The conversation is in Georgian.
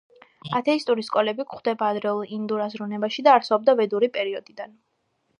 ათეისტური სკოლები გვხვდება ადრეულ ინდურ აზროვნებაში და არსებობდა ვედური პერიოდიდან.